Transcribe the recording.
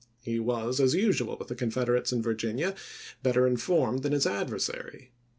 He was, as usual with the Confederates in Virginia, better informed than his adversary.